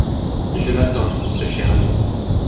Je l’attends… ce cher ami…